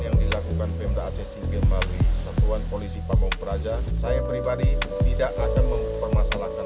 yang dilakukan pemda acsi bmawi satuan polisi pabong peraja saya pribadi tidak ada mempermasalahkan